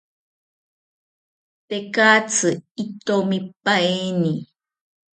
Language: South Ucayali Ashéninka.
Tekatzi itomipaeni